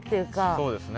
そうですね。